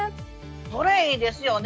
それいいですよね。